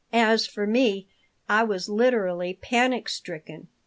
As for me, I was literally panic stricken.